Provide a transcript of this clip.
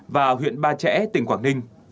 và huyện ba trẻ tỉnh quảng ninh